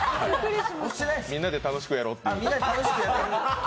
みんなで楽しくやろうという。